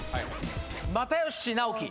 又吉直樹。